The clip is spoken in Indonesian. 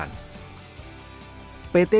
pt bank rakyat indonesia persero